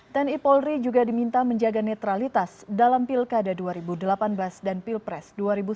tni polri juga diminta menjaga netralitas dalam pilkada dua ribu delapan belas dan pilpres dua ribu sembilan belas